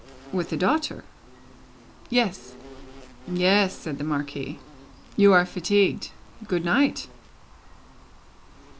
"With a daughter?" "Yes." "Yes," said the Marquis. "You are fatigued. Good night!"